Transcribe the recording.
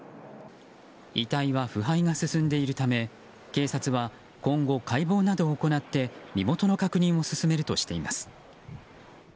遺体は腐敗が進んでいるため警察は今後、解剖などを行って身元の確認を進めるとしています。